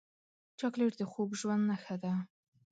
چاکلېټ د خوږ ژوند نښه ده.